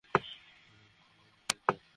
ওমি ওমি আগুন, - কোথায়?